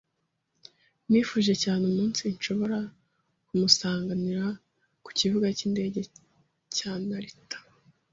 Nifuje cyane umunsi nshobora kumusanganira ku Kibuga cy'indege cya Narita.